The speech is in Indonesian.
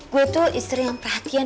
gue tuh istri yang perhatian